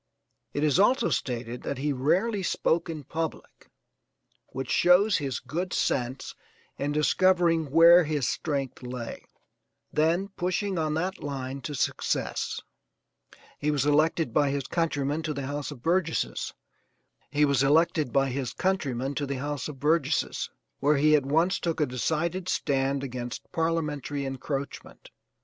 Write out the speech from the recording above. It is also stated that he rarely spoke in public which shows his good sense in discovering where his strength lay, then pushing on that line to success. He was elected by his countrymen to the house of Burgesses where he at once took a decided stand against parliamentary encroachment.